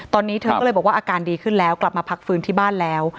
ตอนนี้เธอก็เลยบอกว่าอาการดีขึ้นแล้วกลับมาพักฟื้นที่บ้านแล้ว